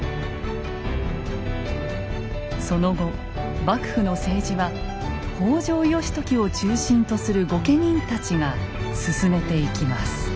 その後幕府の政治は北条義時を中心とする御家人たちが進めていきます。